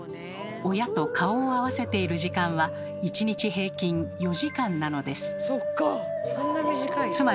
親と顔を合わせている時間は１日平均４時間なのです。